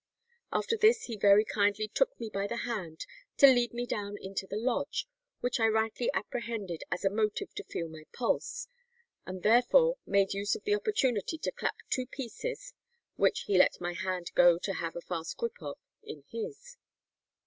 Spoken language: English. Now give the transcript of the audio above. After this he very kindly took me by the hand to lead me down into the lodge, which I rightly apprehended as a motive to feel my pulse, and therefore made use of the opportunity to clap two pieces, which he let my hand go to have a fast grip of, in his."